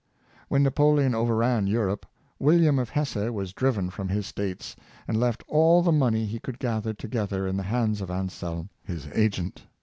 When Napoleon overran Europe, William of Hesse was driven from his states, and left all the money he could gather together in the hands of Anselm, his agent.